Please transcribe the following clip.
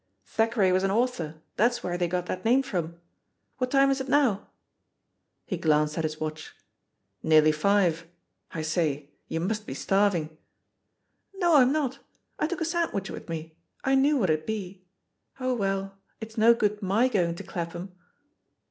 Thackeray was an author, that's where they got that name from. What time is it now?" He glanced at his watch. "Nearly five. I say, you must be starving!" "No, I'm not; I took a sandwich with me — I knew what it'd be. Oh, weU, it's no good my going to Clapham."